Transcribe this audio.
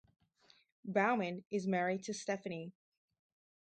Baumann is married to Stefanie.